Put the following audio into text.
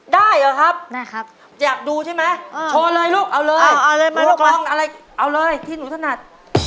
ได้เหรอครับอยากดูใช่ไหมโชว์เลยลูกเอาเลยลูกลองอะไรที่หนูถนัด